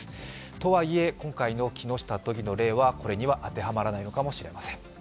とはいえ、今回の木下都議の例はこれには当てはまらないのかもしれません。